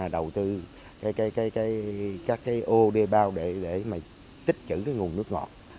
đầu tư các cái ô đê bao để mà tích chữ cái nguồn nước ngọt